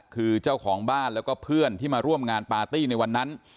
คือเจ้าของบ้านแล้วก็เพื่อนที่มาร่วมงานปาร์ตี้ในวันนั้น